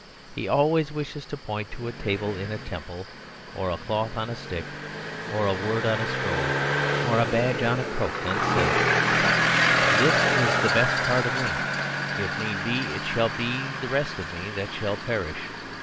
He always wishes to point to a table in a temple, or a cloth on a stick, or a word on a scroll, or a badge on a coat, and say: "This is the best part of me. If need be, it shall be the rest of me that shall perish."